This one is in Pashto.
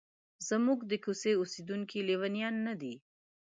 زموږ د کوڅې اوسیدونکي لیونیان نه دي.